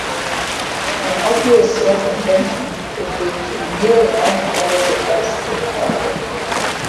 An obvious circumvention would be to merely aim the laser closer to the target.